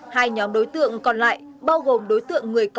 hai nhóm đối tượng còn lại bao gồm đối tượng người có